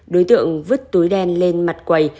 đối tượng vứt túi đen lên mặt quầy